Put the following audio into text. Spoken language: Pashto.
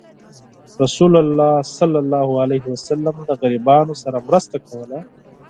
رسول الله صلى الله عليه وسلم د غریبانو سره مرسته کوله.